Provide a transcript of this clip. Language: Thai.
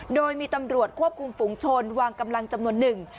โดยมีตำรวจควบคุมฝุงชนวางกำลังจำนวนหนึ่ง